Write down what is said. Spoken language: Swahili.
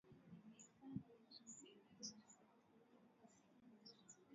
shirika la ipsos mori walifanya uchunguzi wa maoni